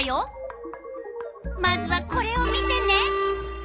まずはこれを見てね。